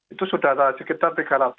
itu sudah ada sekitar tiga ratus